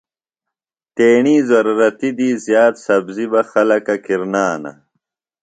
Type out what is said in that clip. تیݨی ضرورتی دی زِیات سبزیۡ بہ خلکہ کِرنانہ۔